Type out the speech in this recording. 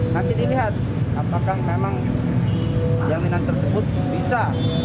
nanti dilihat apakah memang jaminan tersebut bisa